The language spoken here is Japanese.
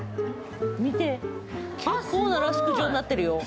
見て、こっちもラスク状になってるよ。